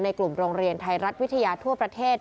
กลุ่มโรงเรียนไทยรัฐวิทยาทั่วประเทศ